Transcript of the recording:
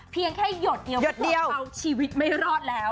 เพียงแค่หยดเดียวเพราะคุณซ่อนเอาชีวิตไม่รอดแล้ว